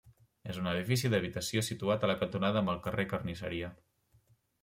És un edifici d'habitació situat a la cantonada amb el carrer Carnisseria.